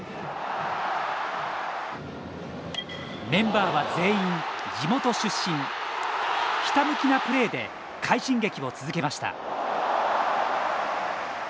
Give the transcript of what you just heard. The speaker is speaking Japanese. メンバーは全員地元出身ひたむきなプレーで快進撃を続けました。